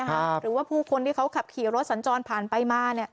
หรือว่าผู้คนที่เขาขับขี่รถสัญจรผ่านไปมา